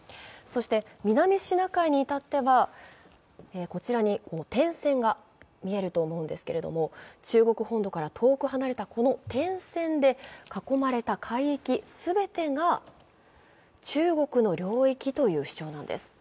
南シナ海にいたっては、こちらに点線が見えると思うんですけれども、中国本土から遠く離れたこの点線で囲まれた海域すべてが中国の領域という主張なんです。